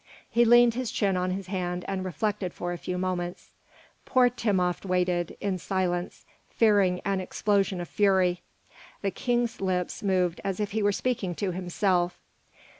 He leaned his chin on his hand and reflected for a few moments. Poor Timopht waited in silence, fearing an explosion of fury. The King's lips moved as if he were speaking to himself.